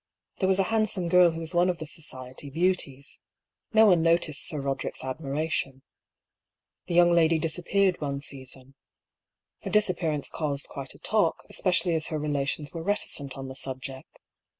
There was a handsome girl who was one of the Society beauties. No one noticed Sir Roderick's admiration. The young lady disappeared one season. Her disap pearance caused quite a talk, especially as her relations were reticent on the subject.